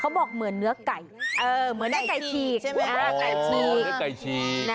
เขาบอกเหมือนเง๔๙สาปไหว้อ๋อเหมือนแหนะไก่ชี่